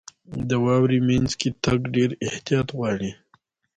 • د واورې مینځ کې تګ ډېر احتیاط غواړي.